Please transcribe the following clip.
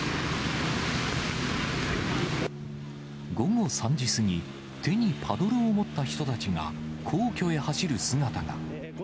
午後３時過ぎ、手にパドルを持った人たちが、皇居へ走る姿が。